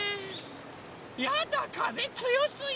やだかぜつよすぎ！